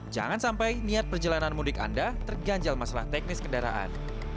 jangan sampai niat perjalanan mudik anda terganjal masalah teknis kendaraan